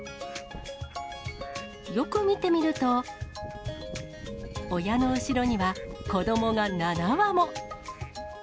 よく見てみると、親の後ろには子どもが７羽も。